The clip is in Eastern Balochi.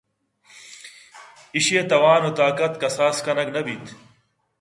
ایشی ءِ توان ءُطاقت کساس کنگ نہ بیت